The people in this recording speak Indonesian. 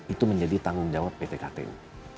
itu menjadi tanggung jawab pt ktu